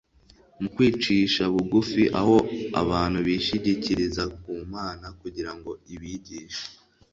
mu kwicisha bugufi, aho abantu bishingikiriza ku mana kugira ngo ibigishe